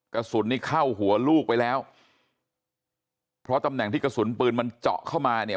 กระสุนนี้เข้าหัวลูกไปแล้วเพราะตำแหน่งที่กระสุนปืนมันเจาะเข้ามาเนี่ย